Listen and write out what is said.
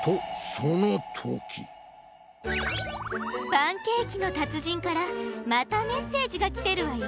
パンケーキの達人からまたメッセージが来てるわよ。